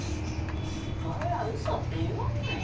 それは嘘って言わないよ